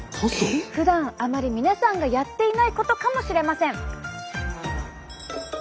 ふだんあまり皆さんがやっていないことかもしれません。